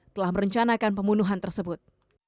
telah merencanakan pembunuhan tersebut